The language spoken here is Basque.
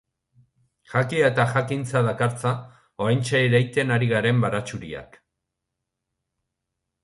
Jakia eta jakintza dakartza oraintxe ereiten ari garen baratxuriak.